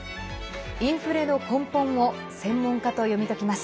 インフレの根本を専門家と読み解きます。